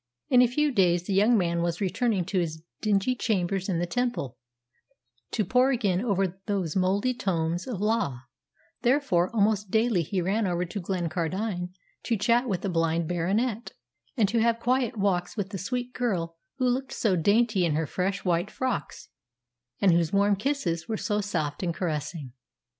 In a few days the young man was returning to his dingy chambers in the Temple, to pore again over those mouldy tomes of law; therefore almost daily he ran over to Glencardine to chat with the blind Baronet, and to have quiet walks with the sweet girl who looked so dainty in her fresh white frocks, and whose warm kisses were so soft and caressing.